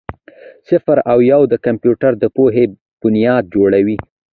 صفر او یو د کمپیوټر د پوهې بنیاد جوړوي.